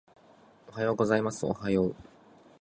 おはようございますおはよう